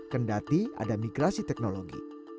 kendati ada migrasi teknologi